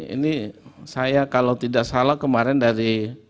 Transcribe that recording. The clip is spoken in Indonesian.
ini saya kalau tidak salah kemarin dari